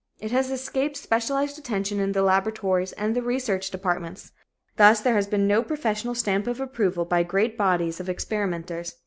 It has escaped specialized attention in the laboratories and the research departments. Thus there has been no professional stamp of approval by great bodies of experimenters.